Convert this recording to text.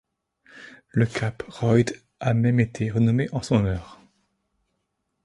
Le cap Royds a même était nommé en son honneur.